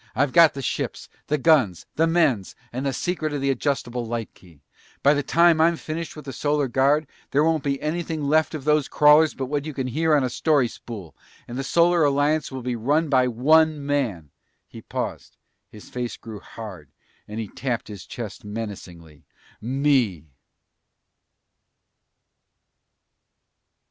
"I've got the ships, the guns, the men, and the secret of the adjustable light key. By the time I'm finished with the Solar Guard there won't be anything left of those crawlers but what you can hear on a story spool, and the Solar Alliance will be run by one man!" He paused, his face grew hard and he tapped his chest menacingly. "Me!"